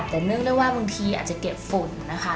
แต่นึกได้ว่าบางทีอาจจะเก็บฝุ่นนะคะ